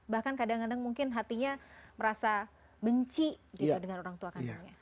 bahkan kadang kadang mungkin hatinya merasa benci gitu dengan orang tua kandungnya